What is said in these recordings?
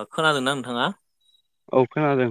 ओ-खोनादों ना नोंथाङा? औ खोनादों।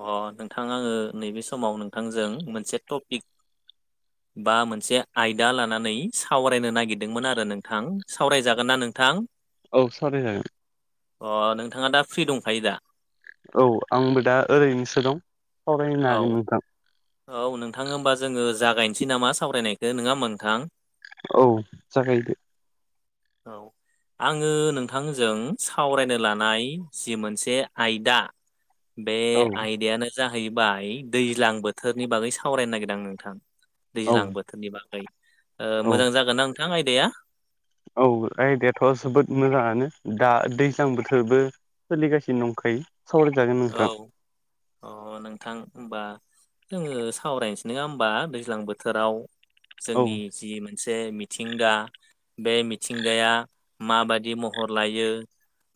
अ नोंथां आङो नैबे समाव नोंथांजों मोनसे टपिक। [inaudible] बा मोनसे आयदा लानानै सावरायनो नागिरदोंमोन आरो नोंथां सावरायजागोन ना नोंथां? औ सावराय जागोन। अ नोंथाङा दा फ्रि दंखायो दा? औ आंबो दा ओरैनोसो दं सावरायनो हागोन औ नोंथां। औ नोंथां होमबा जोङो जागायनोसै नामा। सावरायनायखौ नङा होनबा नोंथां? औ जागायदो। औ आङो नोंथांजों सावरायनो लानाय जि मोनसे आयदा बे औ आयदायानो जाहैबाय दैज्लां बोथ थोरनि बागै सावरायनो नागिरदों आं नोंथां औ दैज्लां बोथोरनि बागै। औ ओ-मोजां जागोना नोंथां आयदाया? औ आयदायाथ' जोबोद मोजाङानो दा दैज्लां बोथोरबो। सोलिगासिनो दंखायो। सावराय जागोन। औ। अ नोंथां होमबा जोङो सावरायनोसै नङा होमबा दैज्लां बोथोराव औ जोंनि जि मोनसे मिथिंगा बे मिथिंगाया माबादि महर लायो।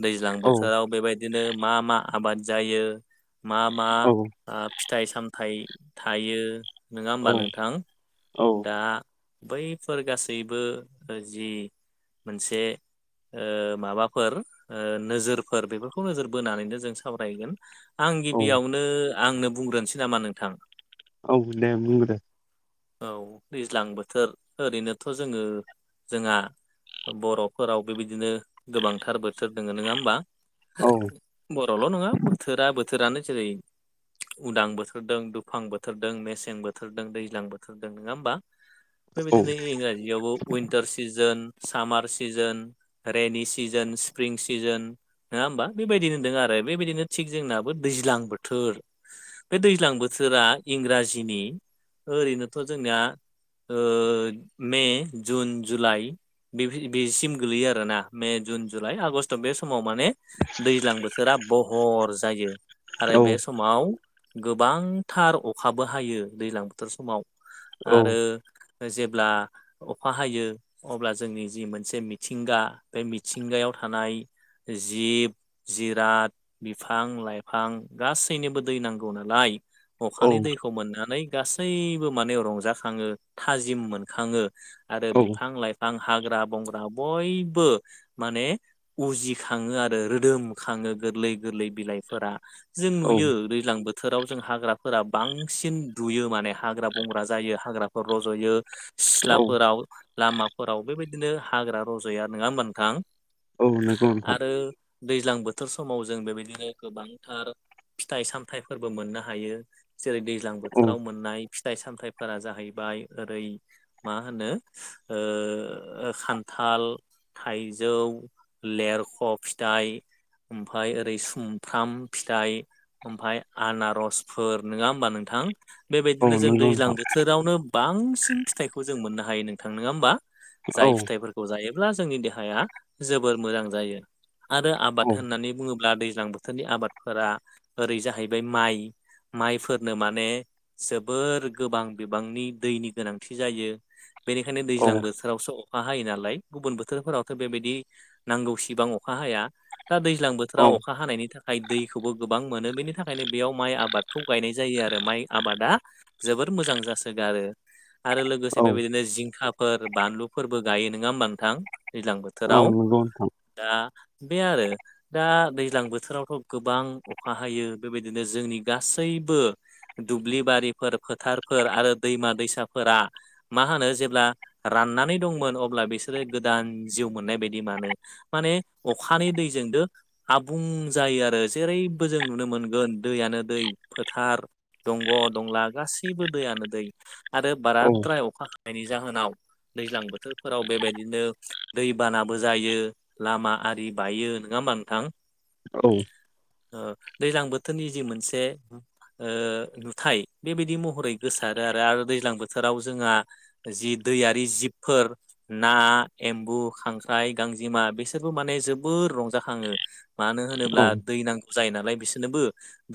दैज्लां औ बोथोराव बेबायदिनो मा मा आबाद जायो मा मा औ बा फिथाइ सामथाइ थायो नोङा औ होमबा नोंथां। औ दा बैफोर गासैबो जि मोनसे ओ माबाफोर नोजोरफोर बेफोरखौ नोजोर बोनानैनो जों स सावरायगोन आं औ गिबियावनो आंनो बुंग्रोनोसै नामा नोंथां। औ दे बुंग्रो औ दैज्लां बोथोर ओरैनोथ' जोङो जोंङा बर'फोराव बेबायदिनो गोबांथार बोथोर दोङो नोङा होमबा? औ बर'ल' नङा बोथोरा बोथोरानो जेरै उदां बोथोर दों दुफां बोथोर दों मेसें बोथोर दों दैज्लां बोथोर र दों नोङा होमबा औ बेबायदिनो इंराजियावबो विन्टार सिजोन सामार सिजोन रेनि सिजोन स्प्रिं सिजोन नोङा होमबा बेबायदिनो दोंङो आरो बेबायदिनो थिग जोंनाबो दैज्लां बोथोर बे दैज्लां बोथोरा इंराजिनि ओरैनोथ' जोंनिया ओ मे जुन जुलाइ बिफ बेसिम गोलैयो आरोना मे जुन जुलाइ आगषटआव बे समाव माने दैज्लां बोथोरा बहर जायो। आरो औ बे समाव गोबांथार अखाबो हायो दैज्लां बोथोर समाव औ आरो ओ जेब्ला अखा हायो अब्ला जोंनि जि मोनसे मिथिंगा बे मिथिंगायाव थानाय जिब जिराद बिफां लाइफां गासैनोबो दै नांगौ नालाय औ अखानि दैखौ मोननानै गासैबो माने रंजाखङो थाजिम मोनखाङो आरो बिफां लाइफां हाग्रा बंग्रा बयबो माने उजिखाङो आरो रोदोमखाङो गोरलै गोरलै बिलाइफोरा जों नुयो औ दैज्लां बोथोराव जों हाग्राफोरा बांसिन नुयो माने हाग्रा बंग्रा जायो हाग्राफोर रज'यो औ सिथ्लाफोराव लामाफोराव बेबायदिनो हाग्रा रज'यो आरो नोङा होमबा नोंथां? औ नंगौ नोंथां आरो दैज्लां बोथोर समाव जों बेबायदिनो गोबांथार फिथाइ सामथायाइफोरबो मोननो हायो जेरै दैज्लां औ बोथोराव मोननाय फिथाइ सामथायाइफोरा जाहैबाय ओरै मा होनो ओ खान्थाल थाइजौ लेरख' फिथाइ ओमफाय ओरै सुमफ्राम फिथाइ ओमफ्राय आनारसफोर नोङा होमबा नोंथां औ बेबायदिनो जों नंगौ दैज्लां नोंथां बोथोरावनो बांसिन फिथाइखौ जों मोननो हायो नोंथां नोङा होमबा औ जाय फिथाइफोरखौ जायोब्ला जोंनि देहाया जोबोर मोजां जायो आरो आबाद औ होननानै बुङोब्ला दैज्लां बोथोरनि आबादफोरा ओरै जाहैबाय माइ माइफोरनो माने जोबोर गोबां बिबांनि दैनि गोनांथि जायो बेनिखायनो औ दैज्लां बोथोरावसो अखा हायो नालाय गुबुन बोथोरफोरावथ' बेबायदि नांगौसिबां अखा हाया दा दैज्लां औ बोथोराव अखा हानायनि थाखाय दैखौबो गोबां मोनो बेनि थाखायनो बेयाव माइ आबाद खौ गायनाय जायो आरो माइ आबादा जोबोर मोजां जासोगारो आरो लोगोसे औ बेदिनो जिंखाफोर बानलुफोरबो गायो नोङा होमबा नोंथां दै्लां औ बोथोराव नंगौ नोंथां दा बे आरो दा दैज्लां बोथोरावथ' गोबां अखा हायो बेबायदिनो जोंनि गासैबो दुब्लि बारिफोर फोथारफोर आरो दैमा दैसाफोरा मा होनो जेब्ला राननानै दंमोन अब्ला बिसोरो गोदान जिउ मोननाय बायदि मानो माने अखानि दैजोंद आबुं जायो आरो जेरैबो जों नुनो मोनगोन दैयानो दै फोथार दंग' दंला गासैबो दैयानो दै आरो औ बाराद्राय अखा हानायनि जाहोनाव दैज्लां बोथोरफोराव बेबायदिनो दैबानाबो जायो लामा आरि बायो नङा होमबा नोंथां औ दैलां बोथोरनि जि मोनसे नुथाय बेबायदि महरै गोसारो आरो आरो दैज्लां बोथोराव जोंहा जि दैयारि जिबफोर ना एम्बु खांख्राइ गांजेमा बिसोरबो माने जोबोर रंजाखाङो मानो औ होनोब्ला दै नांगौ जायो नालाय बिसोरनोबो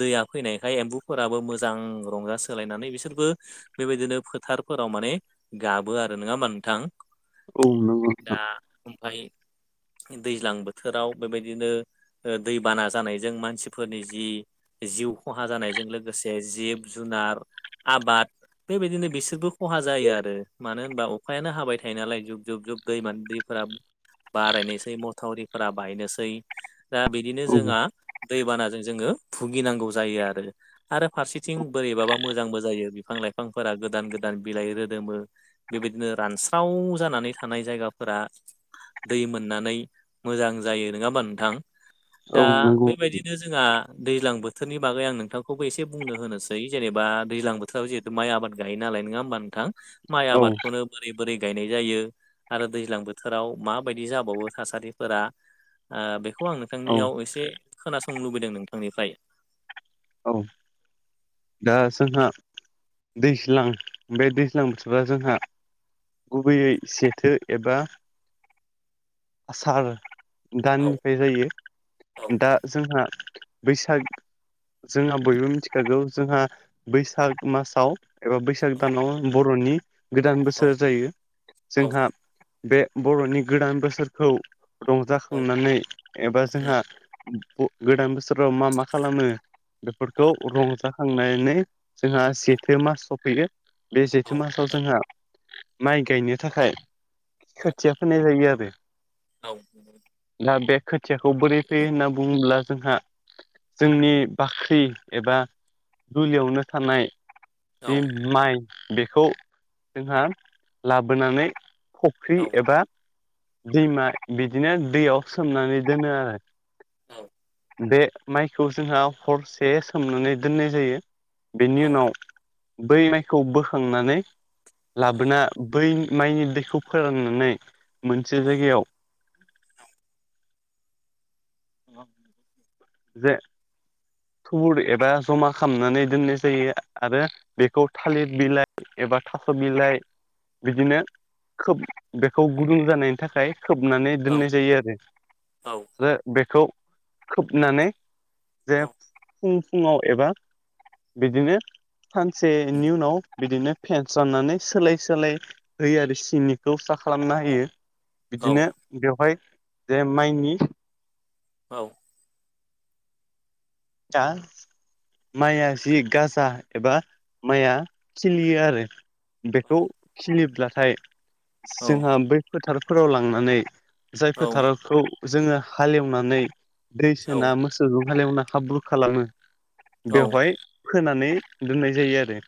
दैया फैनायखाय एमबु फोराबो मोजां रंजा सोलायनानै बिसोरबो बेबायदिनो फोथारफोराव माने गाबो आरो नङा होमा नोंथां औ नङा दा ओमफाय दैज्लां बोथोराव बेबायदिनो दै बाना जानायजों मानसिफोरनि जि जिउ खहा जानायजों लोगोसे जिब जुनार आबाद बेबायदिनो बिसोरबो खहा जायो आरो मानो होनबा अखायानो हाबाय थायो नालाय जुब जुब जुब दै मान दै बारायनोसै मथावरिफोरा बायनोसै दा बिदिनो औ जोंहा दैबानाजों जोङो भुगिनांगौ जायो आरो आरो फारसेथिं बोरैबाबा मोजांबो जायो बिफां लाइफांफोरा गोदान गोदान बिलाइ रोदोमो बेबायदिनो रानस्राव जानानै थानाय जायगाफोरा दै मोननानै मोजां जायो नङा होमा नोंथां दा औ नंगौ बेबायदिनो जोंहा दैज्लां बोथोरनि बागै आं नोंथां खौबो एसे बुंनो होनोसै जेनेबा दैज्लां बोथोराव जिहेथु माइ आबाद गायो नालाय नङा होमबा नोंथां माइ औ आबादखौनो बोरै बोरै गायनाय जायो आरो दैज्लां बोथोराव माबायदि जाबावो थासारिफोरा बेखौ आं औ नोंथांनियाव एसे खोनासंनो लुबैदों नोंथांनिफ्राय औ दा जोंहा दैज्लां बे दैज्लां बोथोरा जोंहा गुबैयै सेथो एबा आसार औ दाननिफ्राय जायो औ दा जोंहा बैसाग जोंहा बयबो मिथिखागौ जोंहा बैसाग मासाव एबा बैसाग दानाव बर'नि गोदान बोसोर औ जायो औ जोंहा बे बर'नि गोदान बोसोरखौ औ रंजाखांनानै एबा उम जोंहा गोदान बोसोराव मा मा खालामो औ बेफोरखौ रंजा थांनानै जोंहा जेथो मास सफैयो बे औ जेथो मासाव जोंहा माइ गायनो थाखाय औ खोथिया फोनाय जायो आरो औ औ दा बे खोथियाखौ बोरै फैयो होनना बुङोब्ला जोंहा जोंनि बाख्रि एबा दुलियावनो थानाय जि माइ बेखौ जोंहा लाबोनानै फुख्रि एबा दैमा बिदिनो दैयाव सोमनानै दोनो आरो औ बे माइखौ जोंहा हरसे सोमनानै दोननाय जायो बेनि उनाव बै माइखौ बोखांनानै लाबोना बै माइनि दैखौ फोराननानै मोनसे जायगायाव जे थुबुर एबा जमा खालामनानै दोननाय जायो आरो बेखौ थालिर बिलाइ एबा थास' बिलाइ बिदिनो खोब बेखौ गुदुं जानायनि थाखाय खोबनानै दोननाय जायो आरो औ आ बेखौ खोबनानै औ जे फुं फुङाव एबा बिदिनो औ सानसेनि उनाव बिदिनो फेनस्रा ननानै सोलाय सोलाय होयो आरो सिंनिखौ सा खालामना होयो। औ बिदिनो बेवहाय जे माइनि औ [unintelligible] माया जि गाजा एबा माय आ खिलियो आरो औ बेखौ खिलिब्लाथाय औ जोंहा बै फोथारफोराव लांनानै जाय औ फोथारखौ जोङो हालेवनानै दै औ सोना मोसौ जों हालेवना हाब्रु खालामो औ बेवहाय फोनानै दोननाय जायो आरो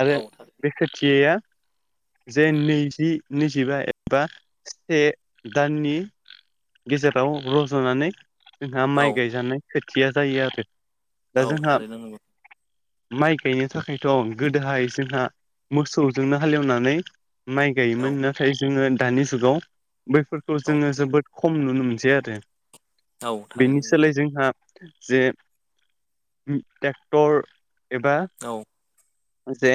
आरो बे खोथियाया जे नैजि नैजिबा एबा से दाननि गेजेराव रज'नानै जोंहा माइ औ गायजानाय खोथिया जायो आरो औ दा जोंहा थारैनो नंगौ माइ गायनो थाखायथ' गोदोहाय जोंहा मोसौजोंनो हालेवनानै माइ गायोमोन औ नाथाय जोङो दानि जुगाव बैफोरखौ औ जोङो जोबोद खम नुनो मोनसै आरो औ बेनि थारैनो सोलाय जोंहा जे टेक्टर एबा औ जे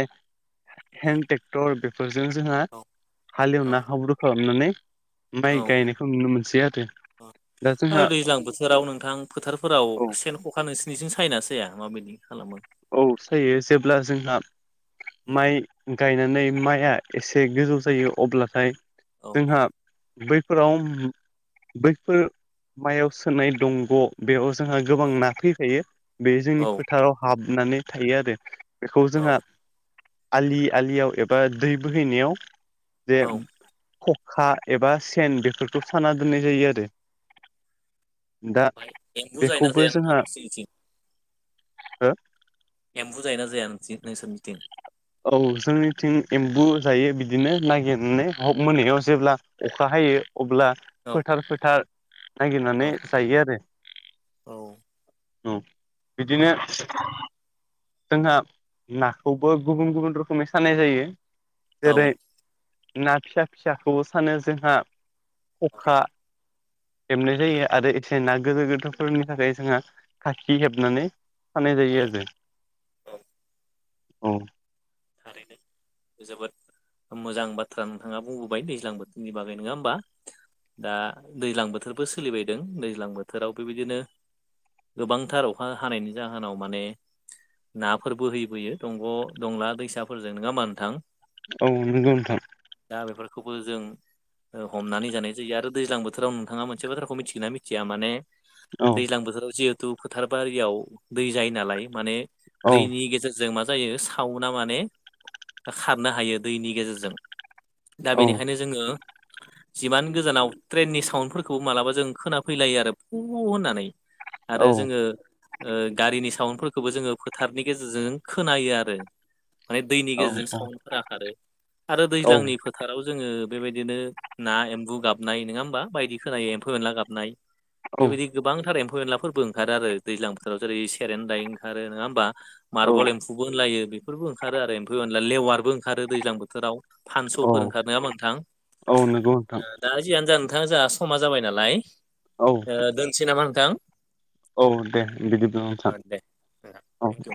हेनटेक्टर बेब फोरजों जोंहा औ औ हालेवना हाब्रु खालामनानै माइ औ गायनायखौ नुनो मोनो जेहाथे ओ दैज्लां बोथोराव नोंथां फोथारफोराव औ सेन खखा नोंसिोरनिथिं सायै ना साया माबायदि खालामो औ सायो जेब्ला जोंहा माइ गायनानै माइआ एसे गोजौ जायो अब्लाथाय औ जोंहा बैफोराव बैफोर मायाव सोनाय दंग' बेयाव जोंहा गोबां ना फैखायो बे जोंनि औ फोथाराव हाबनानै थायो आरो बेखौ औ जोंहा आलि आलियाव एबा दै बोहैनायाव जे औ खखा एबा सेन बेफोरखौ साना दोननाय जायो आरो दा ओमफ्राय एम्बु जायोना बेखौबो जाया नोंथां जोंहा नोंसिनिथिं हो एम्फु जायो ना जाया नोंथिं नोंसोरनिथिं औ जोंनिथिं एम्बु जायो बिदिनो नागिरनानै मोनायाव जेब्ला अखा हायो अब्ला औ फोथार फोथार औ नागिरनानै जायो आरो औ बिदिनो जोंहा नाखौबो गुबुन गुबुन रोखोमै सानाय जायो औ जेरै ना फिसा फिसाखौबो सानो जोंहा खखा हेबनाय जायो आरो इथिंजाय ना गोदोर गोदोरफोरनि थाखाय जोंहा खााखि हेबनानै सानाय औ जायो आरो औ औ थारैनो जोबोद मोजां बाथ्रा नोंथाङा बुंबोबाय दैज्लां बोथोरनि बागै नङा होमबा दा दैज्लां बोथोरबो सोलिबायदों दैज्लां बोथोराव बेबायदिनो गोबांथार अखा हानायनि जाहोनाव माने नाफोरबो बोहैबोयो दंग' दंला दैसाफोरजों नङा होमबा नोथां औ नंगौ नोंथां दा बेफोरखौबो जों हमनानै जानाय जायो आरो दैज्लां बोथोराव नोंथाङा मोनसे बाथ्राखौ मिथिगोना मिथिया माने औ दैज्लां बोथोराव जिहेथु फोथार बारियाव दै जायो नालाय माने औ दैनि गेजेरजों मा जायो साव ना माने खारनो हायो दैनि गेजेरजों दा औ बेनिखायनो जोङो जिमान गोजानाव ट्रेननि साउडफोरखौबो मालाबा जों खोनाफैलायो आरो फु होननानै आरो औ जोङो गारिनि साउन्डफोरखौबो जोङो फोथारनि गेजेरजों खोनायो आरो माने दैनि औ गेजेरजों सावन्डफोरा खारो आरो दैज्लांनि फोथाराव जोङो बेबायदिनो ना एम्बु गाबनाय नङा होमबा बायदि खोनायो एम्फौ एनला गाबनाय औ बेबायदि गोबांथार एम्फौ एनलाफोरबो ओंखारो आरो दैज्लां बोथोराव जेरै सेरेनदाय ओंखारो नोङा होमबा? मार्बल एम्फुबो होनलायो बेफोरबो ओंखारो आरो एम्फौ लेवारबो ओंखारो दैज्लां बोथोराव औ फानस'फोर ओंखारो नोङा होमबा नोंथां? औ नंगौ नोंथां दा जियानो जा नोंथां जाहा समा जाबाय नालाय औ ओ दोनसै नामा नोंथां? औ दे बिदिब्ला नोंथां दे औ थेंकिउ